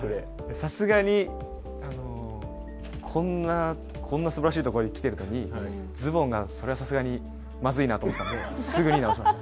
さすがに、こんなすばらしいところに来ているのに、ズボンが、それはさすがにまずいなと思ったのですぐに直しました。